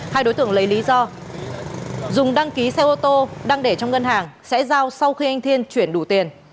hai đối tượng lấy lý do dùng đăng ký xe ô tô đang để trong ngân hàng sẽ giao sau khi anh thiên chuyển đủ tiền